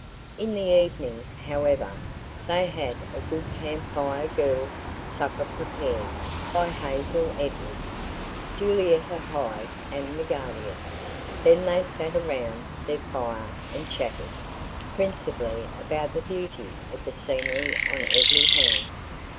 In the evening, however, they had a good Camp Fire Girls' supper prepared by Hazel Edwards, Julietta Hyde and the Guardian. Then they sat around their fire and chatted, principally about the beauty of the scenery on every hand.